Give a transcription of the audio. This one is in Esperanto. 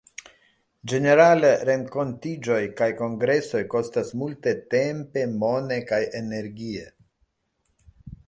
Ĝenerale, renkontiĝoj kaj kongresoj kostas multe tempe, mone, kaj energie.